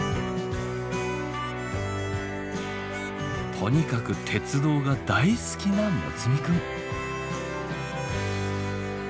とにかく鉄道が大好きな睦弥くん。